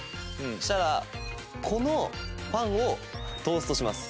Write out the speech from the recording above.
そしたらこのパンをトーストします。